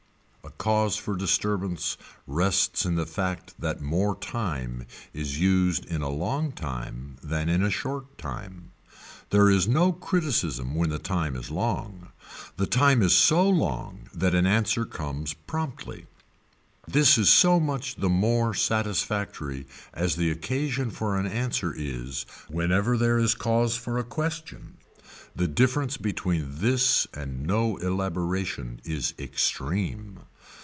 A cause for disturbance rests in the fact that more time is used in a long time than in a short time. There is no criticism when the time is long. The time is so long that an answer comes promptly. This is so much the more satisfactory as the occasion for an answer is whenever there is cause for a question. The difference between this and no elaboration is extreme.